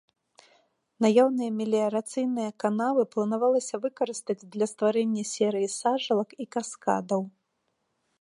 Наяўныя меліярацыйныя канавы планавалася выкарыстаць для стварэння серыі сажалак і каскадаў.